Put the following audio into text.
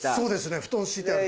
布団敷いてある所。